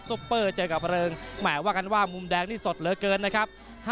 ปเปอร์เจอกับเริงแหมว่ากันว่ามุมแดงนี่สดเหลือเกินนะครับ